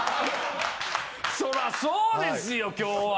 そらそうですよ今日は。